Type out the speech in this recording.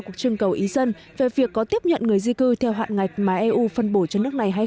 cuộc trưng cầu ý dân về việc có tiếp nhận người di cư theo hạn ngạch mà eu phân bổ cho nước này hay